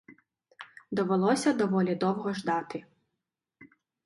Довелося доволі довго ждати.